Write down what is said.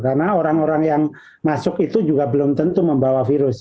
karena orang orang yang masuk itu juga belum tentu membawa virus